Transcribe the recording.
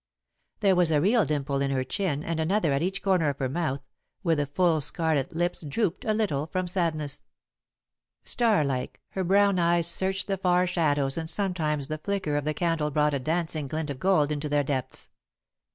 There was a real dimple in her chin and another at each corner of her mouth, where the full scarlet lips drooped a little from sadness. Star like, her brown eyes searched the far shadows and sometimes the flicker of the candle brought a dancing glint of gold into their depths.